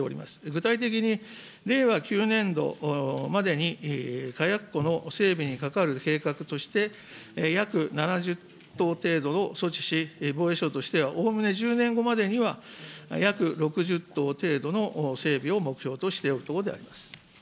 具体的に令和９年度までに、火薬庫の整備にかかる計画として約７０棟程度を措置し、防衛省としてはおおむね１０年後までには、約６０棟程度の整備を目標としておるところであります。